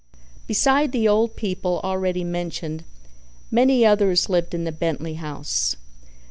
Besides the old people, already mentioned, many others lived in the Bentley house.